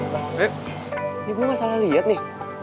rek ini gue gak salah liat nih